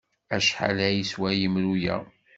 Acḥal ay yeswa yemru-a?